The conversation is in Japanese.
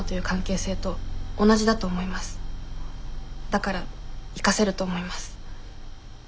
だから生かせると思います。